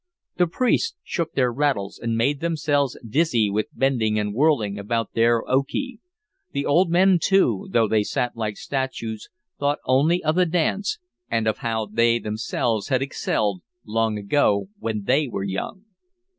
The priests shook their rattles, and made themselves dizzy with bending and whirling about their Okee; the old men, too, though they sat like statues, thought only of the dance, and of how they themselves had excelled, long ago when they were young.